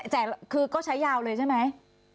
แต่คือก็ใช้ยาวเลยใช่ไหม